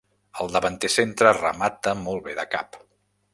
El davanter centre remata molt bé de cap.